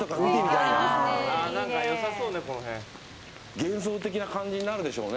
幻想的な感じになるでしょうね